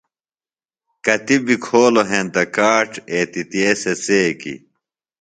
کتیۡ بیۡ کھولوۡ ہینتہ کاڇ، اتِیتے سےۡ څیکیۡ